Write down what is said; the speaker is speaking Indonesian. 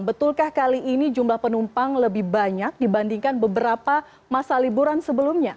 betulkah kali ini jumlah penumpang lebih banyak dibandingkan beberapa masa liburan sebelumnya